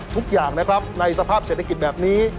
ทุกอย่างในสภาพเศรษฐกิจแบบนี้